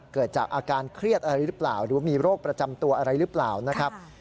เกิดจากอาการเครียดอะไรหรือเปล่าหรือมีโรคประจำตัวอะไรหรือเปล่านะครับ